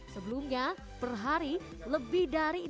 sebelumnya per hari lebih dari enam jam